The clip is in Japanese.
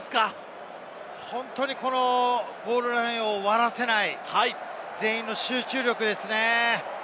本当にゴールラインを割らせない、全員の集中力ですね。